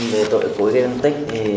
về tội cúi gây âm tích